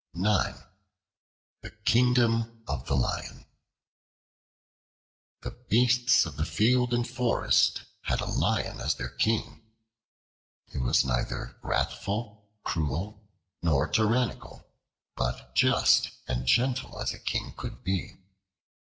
The Kingdom of the Lion THE BEASTS of the field and forest had a Lion as their king. He was neither wrathful, cruel, nor tyrannical, but just and gentle as a king could be.